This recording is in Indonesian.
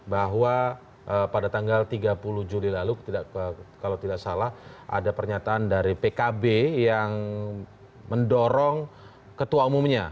bahwa pada tanggal tiga puluh juli lalu kalau tidak salah ada pernyataan dari pkb yang mendorong ketua umumnya